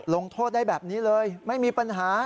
ลงโทษได้แบบนี้เลยไม่มีปัญหา